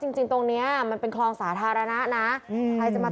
จริงจริงตรงเนี้ยมันเป็นคลองสาธารณะนะใครจะมา